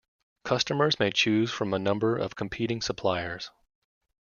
Customers may choose from a number of competing suppliers.